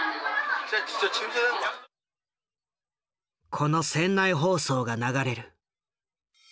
この船内放送が流れる。